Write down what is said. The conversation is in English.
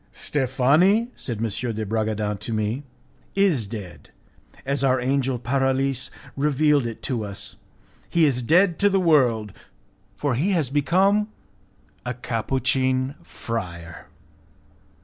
"Steffani," said M. de Bragadin to me, "is dead, as our angel Paralis revealed it to us; he is dead to the world, for he has become a Capuchin friar.